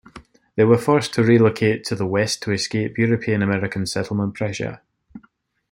They were forced to relocate to the west to escape European-American settlement pressure.